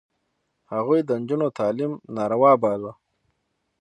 هغوی د نجونو تعلیم ناروا باله.